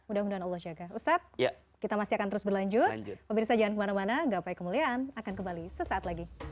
ustadz kita masih akan terus berlanjut